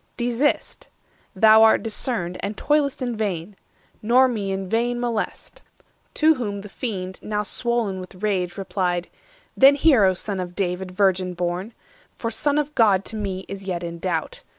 Desist (thou art discerned, And toil'st in vain), nor me in vain molest." To whom the Fiend, now swoln with rage, replied:— "Then hear, O Son of David, virgin born! 500 For Son of God to me is yet in doubt.